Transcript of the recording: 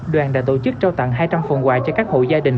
đoàn đã tổ chức trao tặng hai trăm linh phần quà cho các hộ gia đình